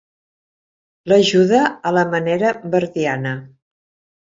L'ajuda a la manera verdiana.